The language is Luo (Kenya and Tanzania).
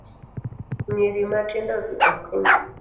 Nyiri matindogi ok ny